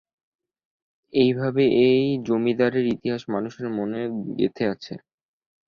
এইভাবে এই জমিদারদের ইতিহাস মানুষের মনে গেঁথে আছে।